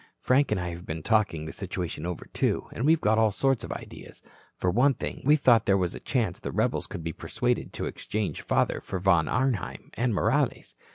"Frank and I have been talking the situation over, too, and we've got all sorts of ideas. For one thing, we thought there was a chance the rebels could be persuaded to exchange father for Von Arnheim and Morales.